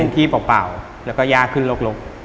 ที่เปล่าแล้วก็ยากขึ้นลก